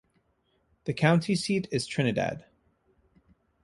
The county seat is Trinidad.